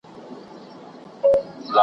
هري خواته سرې مرمۍ وې اورېدلې .